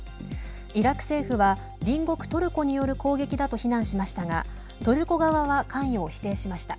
イラク政府は、隣国トルコによる攻撃だと非難しましたがトルコ側は関与を否定しました。